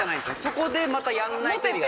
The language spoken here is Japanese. そこでまたやらないと。